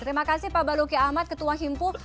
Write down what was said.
terima kasih pak baluki ahmad ketua himpu